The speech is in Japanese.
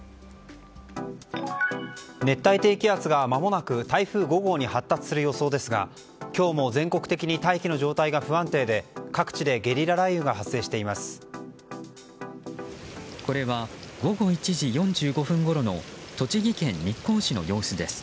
熱帯低気圧が、まもなく台風５号に発達する予想ですが今日も全国的に大気の状態が不安定で各地でゲリラ雷雨が発生しています。